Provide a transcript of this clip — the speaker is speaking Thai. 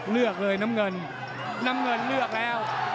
เลือกเลยน้ำเงินน้ำเงินเลือกแล้ว